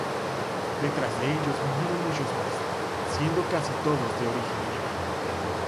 Detrás de ellos vinieron muchos más, siendo casi todos de origen alemán.